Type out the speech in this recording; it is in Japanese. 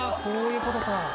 こういうことか。